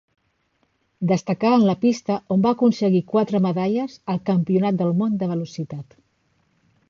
Destacà en la pista on va aconseguir quatre medalles al Campionat del món de velocitat.